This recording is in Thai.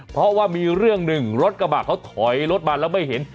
เพราะว่ามีเรื่องหนึ่งรถกระบะเขาถอยรถมาแล้วไม่เห็น